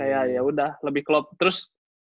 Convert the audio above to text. kayak yaudah lebih club terus